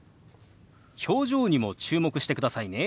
表情にも注目してくださいね。